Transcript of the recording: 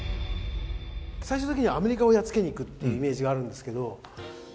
最終的にはアメリカをやっつけにいくっていうイメージがあるんですけど。